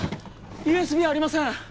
ＵＳＢありません！